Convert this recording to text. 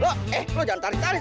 loh eh lo jangan tarik tarik